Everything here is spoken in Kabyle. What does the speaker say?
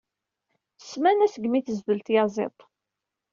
Ssmana segmi tezdel tyaziḍt.